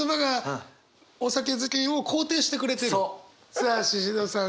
さあシシドさん